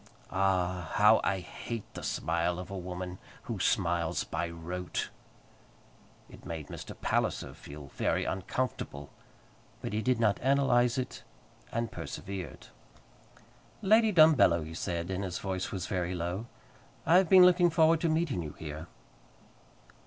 Ah! how I hate the smile of a woman who smiles by rote! It made Mr. Palliser feel very uncomfortable; but he did not analyze it, and persevered. "Lady Dumbello," he said, and his voice was very low, "I have been looking forward to meeting you here."